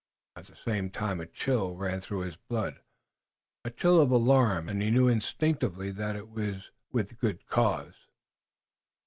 At the same time a chill ran through his blood, a chill of alarm, and he knew instinctively that it was with good cause.